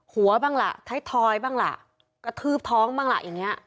บ้างล่ะไทยทอยบ้างล่ะกระทืบท้องบ้างล่ะอย่างนี้